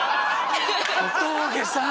小峠さん！